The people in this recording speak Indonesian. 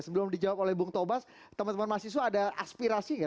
sebelum dijawab oleh bung tobas teman teman mahasiswa ada aspirasi nggak